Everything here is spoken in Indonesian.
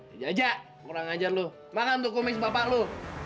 aja aja kurang ajar lu makan untuk kumis bapak lu